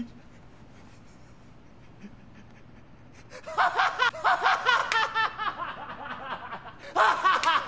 ハハハ！ハハハ！